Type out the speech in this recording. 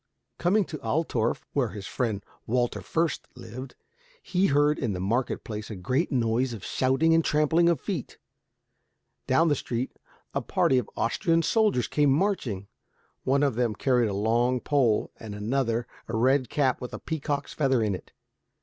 Coming to Altorf, where his friend Walter Fürst lived, he heard in the market place a great noise of shouting and trampling of feet. Down the street a party of Austrian soldiers came marching. One of them carried a long pole, and another a red cap with a peacock's feather in it.